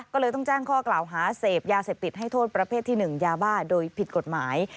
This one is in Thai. ก็เลยต้องแจ้งข้อกล่าวหาเสพยาเสพติดให้โทษประเภทที่๑ยาบ้าโดยผิดกฎหมาย